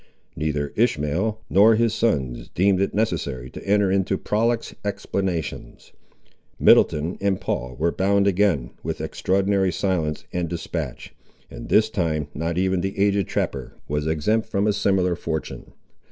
Neither Ishmael, nor his sons deemed it necessary to enter into prolix explanations. Middleton and Paul were bound again, with extraordinary silence and despatch, and this time not even the aged trapper was exempt from a similar fortune.